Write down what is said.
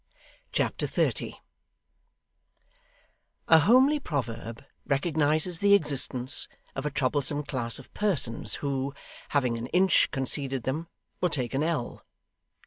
Chapter 30 A homely proverb recognises the existence of a troublesome class of persons who, having an inch conceded them, will take an ell.